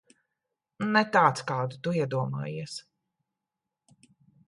Ne tāds, kādu tu iedomājies.